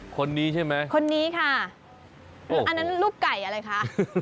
คนนี้ใช่ไหมคนนี้ค่ะอันนั้นลูกไก่อะไรคะ